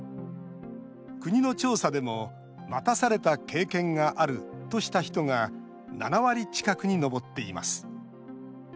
国の調査でも待たされた経験があるとした人が７割近くに上っています。